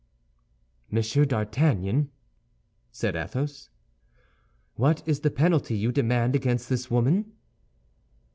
"Monsieur d'Artagnan," said Athos, "what is the penalty you demand against this woman?"